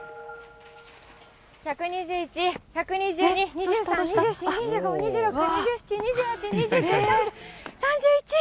１２１、１２２、２３、２４、２５、２６、２７、２８、２９、３０、３１。